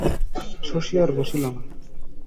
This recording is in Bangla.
শশী আর বসিল না।